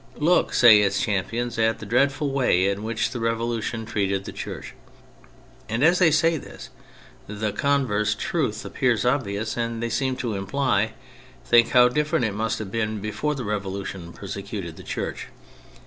" Look," say its champions, " at the dreadful way in which the Revolution treated the Church." And as they say this the converse truth appears obvious and they seem to imply, " Think how different it must have been be fore the Revolution persecuted the Church